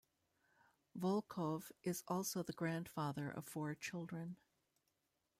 Volkov is also the grandfather of four children.